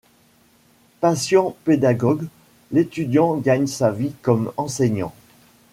Patient pédagogue, l'étudiant gagne sa vie comme enseignant.